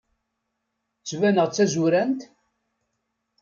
Ttbaneɣ-d d tazurant?